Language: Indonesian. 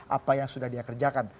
apa yang sudah dia kerjakan